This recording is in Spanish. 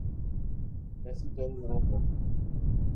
En casi toda Europa.